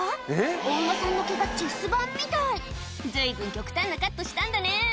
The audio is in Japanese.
お馬さんの毛がチェス盤みたい随分極端なカットしたんだね